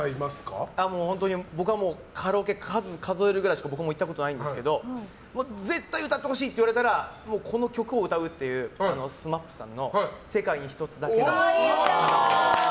僕は、カラオケ数えるくらいしか僕も行ったことないんですけど絶対歌ってほしいって言われたらこの曲を歌うっていうＳＭＡＰさんの「世界に一つだけの花」。